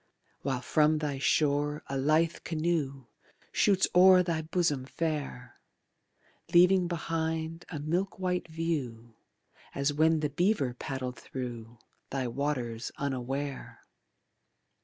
While from thy shore a lithe canoe Shoots o'er thy bosom fair, Leaving behind a milk white view As when the beaver paddled thru Thy waters unaware.